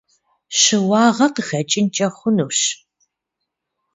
Щыуагъэ къыхэкӏынкӏэ хъунущ.